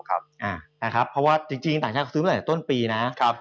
เพราะว่าจริงต่างชาติเขาซื้อมาตั้งแต่ต้นปีนะ